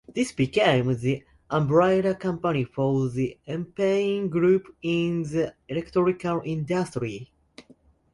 This became the umbrella company for the Empain group in the electrical industry.